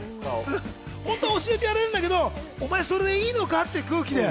本当は教えてやれるんだけど、お前それでいいのかっていう空気で。